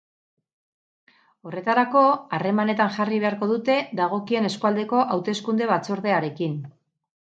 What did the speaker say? Horretarako, harremanetan jarri beharko dute dagokien eskualdeko hauteskunde-batzordearekin.